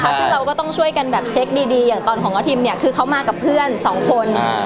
ซึ่งเราก็ต้องช่วยกันแบบเช็คดีอย่างตอนของน้องทิมเนี่ยคือเขามากับเพื่อนสองคน